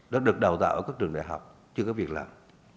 đã được đào tạo ở các trường đại học chưa có việc làm